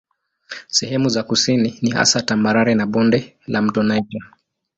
Sehemu za kusini ni hasa tambarare za bonde la mto Niger.